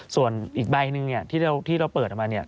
ส่วนอีกใบหนึ่งที่เราเปิดมา